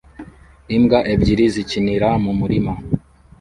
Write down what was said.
Imbwa ebyiri zikinira mu murima